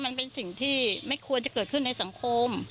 มันเป็นสิ่งที่ไม่ควรจะเกิดขึ้นในสังคม